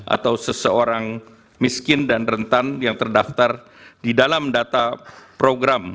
atau seseorang miskin dan rentan yang terdaftar di dalam data program